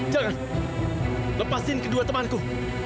jangan lepaskan kedua temanku